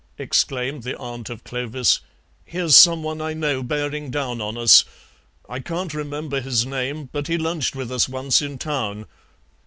exclaimed the aunt of Clovis, "here's some one I know bearing down on us. I can't remember his name, but he lunched with us once in Town.